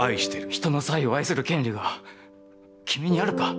「人の妻を愛する権利が君にあるか」。